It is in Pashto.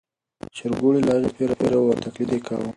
چرګوړي له هغې چاپېر وو او تقلید یې کاوه.